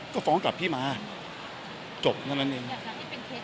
ก็ฟ้องกลับพี่มาจบเท่านั้นเองอย่างนั้นที่เป็นเคสตัวอย่าง